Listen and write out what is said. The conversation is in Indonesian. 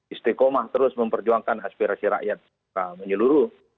istiqomah terus memperjuangkan aspirasi rakyat secara menyeluruh